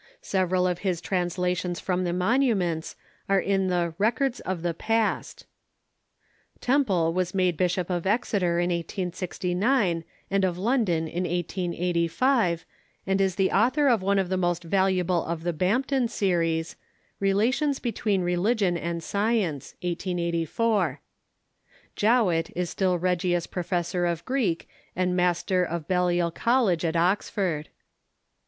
Sev eral of his translations from the monuments are in the "Rec ords of the Past." Temple was made Bishop of Exeter in 1869, and of London in 1885, and is the author of one of the most valuable of the Bampton series, " Relations between Religion and Science " (1884). Jowett is still Regius Professor of Greek and Master of Balliol College at Oxford.